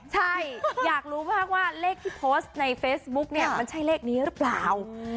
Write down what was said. ใช่อยากรู้มากว่าเลขที่โพสต์ในเฟซบุ๊กเนี่ยมันใช่เลขนี้หรือเปล่า